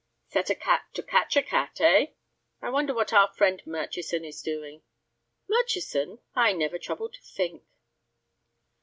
"Set a cat to catch a cat, eh? I wonder what our friend Murchison is doing?" "Murchison! I never trouble to think."